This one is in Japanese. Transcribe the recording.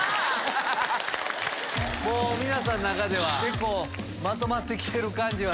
もう皆さんの中では結構まとまって来てる感じは。